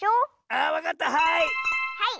あわかったはい！